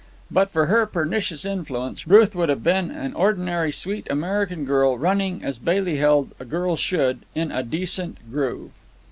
But for her pernicious influence, Ruth would have been an ordinary sweet American girl, running as, Bailey held, a girl should, in a decent groove.